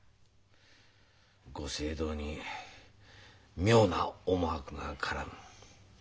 御政道に妙な思惑が絡む。